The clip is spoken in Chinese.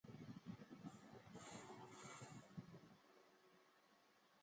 凯撒被描述为穿着伊丽莎白时代的紧身衣而不是罗马宽外袍。